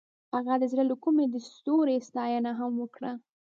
هغې د زړه له کومې د ستوري ستاینه هم وکړه.